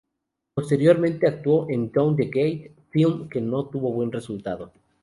Posteriormente actuó en "Down the Gate", film que no tuvo buen resultado.